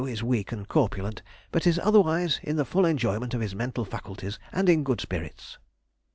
is weak and corpulent, but is otherwise in the full enjoyment of his mental faculties, and in good spirits.